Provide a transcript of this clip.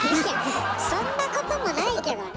そんなこともないけどね？